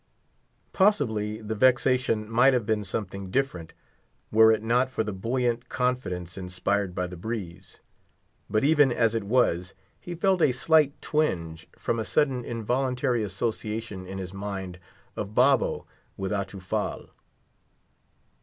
Possibly, the vexation might have been something different, were it not for the brisk confidence inspired by the breeze. But even as it was, he felt a slight twinge, from a sudden indefinite association in his mind of Babo with Atufal.